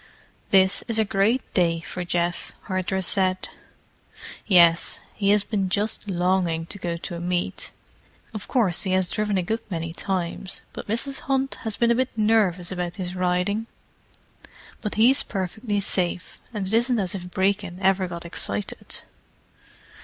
"This is a great day for Geoff," Hardress said. "Yes—he has been just longing to go to a meet. Of course he has driven a good many times, but Mrs. Hunt has been a bit nervous about his riding. But he's perfectly safe—and it isn't as if Brecon ever got excited."